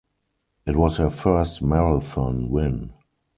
It was her first marathon win.